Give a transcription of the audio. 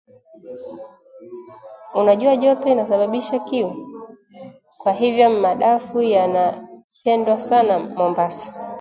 Unajua joto inasababisha kiu. Kwa hivyo madafu yanapendwa sana Mombasa.